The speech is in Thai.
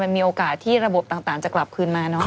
มีโอกาสที่ระบบต่างจะกลับคืนมาเนอะ